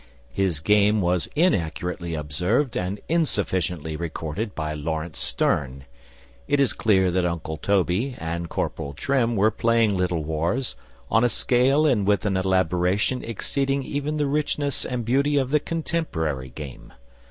His game was inaccurately observed and insufficiently recorded by Laurence Sterne. It is clear that Uncle Toby and Corporal Trim were playing Little Wars on a scale and with an elaboration exceeding even the richness and beauty of the contemporary game.